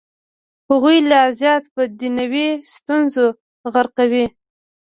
هغوی لا زیات په دنیوي ستونزو غرقوي.